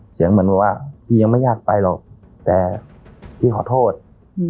เสียงเหมือนบอกว่าพี่ยังไม่อยากไปหรอกแต่พี่ขอโทษอืม